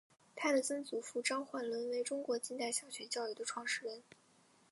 她的曾祖父张焕纶为中国近代小学教育的创始人。